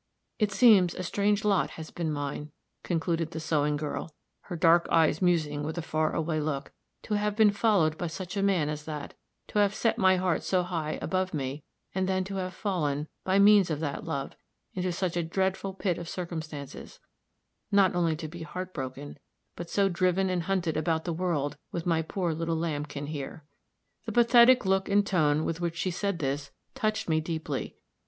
"It seems a strange lot has been mine," concluded the sewing girl, her dark eyes musing with a far away look, "to have been followed by such a man as that, to have set my heart so high above me, and then to have fallen, by means of that love, into such a dreadful pit of circumstances not only to be heart broken, but so driven and hunted about the world, with my poor little lambkin here." The pathetic look and tone with which she said this touched me deeply.